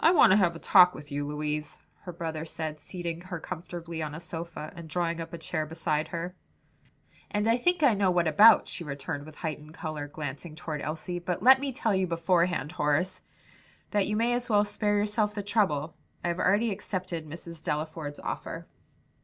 "I want to have a talk with you, Louise," her brother said, seating her comfortably on a sofa and drawing up a chair beside her. "And I think I know what about," she returned with heightened color, glancing toward Elsie, "but let me tell you beforehand, Horace, that you may as well spare yourself the trouble. I have already accepted Mrs. Delaford's offer."